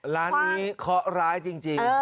ร้านนี้เคาะร้ายจริง